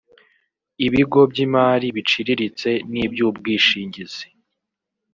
ibigo by’imari biciriritse n’iby’ubwishingizi